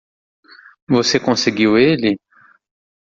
Você conseguiu ele?